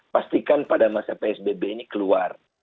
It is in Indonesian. pastikan pada masa psbb ini keluar